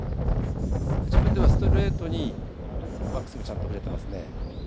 自分ではストレートにバックスイング振れていますね。